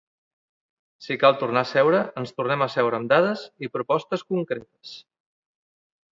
Si cal tornar a seure, ens tornem a seure amb dades i propostes concretes.